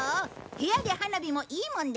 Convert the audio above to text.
部屋で花火もいいもんでしょ？